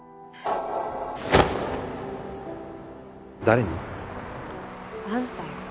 誰に？あんたよ。